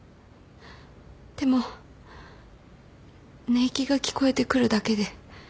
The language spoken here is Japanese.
でも寝息が聞こえてくるだけで。